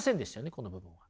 この部分は。